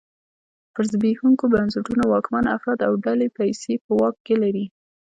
پر زبېښونکو بنسټونو واکمن افراد او ډلې پیسې په واک کې لري.